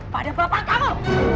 pada bapak kamu